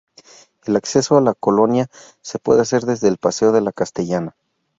El acceso a la colonia se puede hacer desde el Paseo de la Castellana.